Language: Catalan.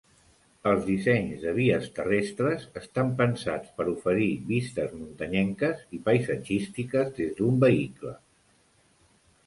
Els dissenys de vies terrestres estan pensats per oferir vistes muntanyenques i pasatgístiques des d'un vehicle.